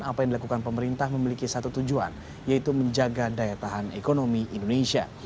apa yang dilakukan pemerintah memiliki satu tujuan yaitu menjaga daya tahan ekonomi indonesia